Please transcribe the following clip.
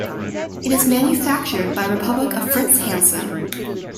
It is manufactured by Republic of Fritz Hansen.